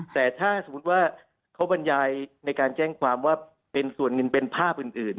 แต่ถ้าสมมุติว่าเขาบรรยายในการแจ้งความว่าเป็นส่วนหนึ่งเป็นภาพอื่น